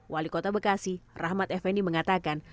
wali kota bekasi rahmat effendi mengatakan